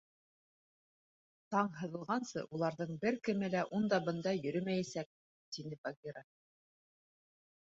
— Таң һыҙылғансы уларҙың бер кеме лә унда-бында йөрөмәйәсәк, — тине Багира.